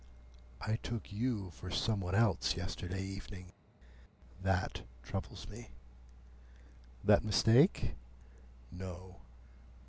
I took you for some one else yesterday evening. That troubles me." "That mistake?" "No.